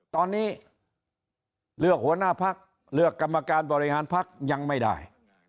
ตอนนี้เลือกหัวหน้าพักเลือกกรรมการบริหารพักยังไม่ได้